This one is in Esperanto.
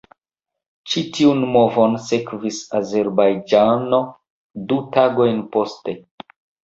Ĉi tiun movon sekvis Azerbajĝano du tagojn poste.